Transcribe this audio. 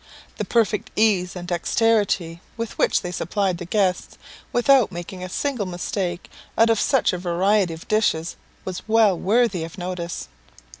The perfect ease and dexterity with which they supplied the guests, without making a single mistake out of such a variety of dishes, was well worthy of notice.